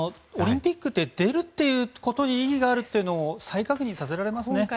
オリンピックって出るということに意義があるというのを再確認させられますね。